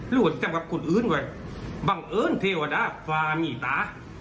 หรือว่าจะทำกับคนอื่นไว้บังเอิญเทวดาฟามีตา